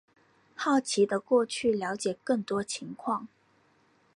好奇的过去了解更多情况